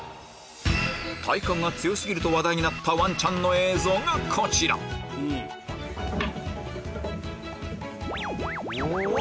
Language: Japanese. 体幹が強過ぎると話題になったワンちゃんの映像がこちらわ！